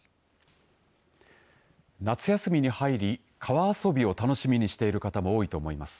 夏休みに入り川遊びを楽しみにしている方も多いと思います。